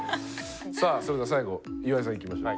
さあそれでは最後岩井さんいきましょう。